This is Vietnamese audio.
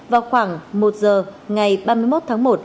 vào khoảng một giờ ngày ba mươi một tháng một